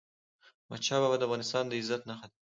احمدشاه بابا د افغانستان د عزت نښه ده.